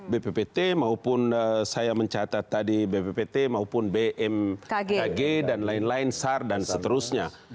bppt maupun saya mencatat tadi bppt maupun bmkg dan lain lain sar dan seterusnya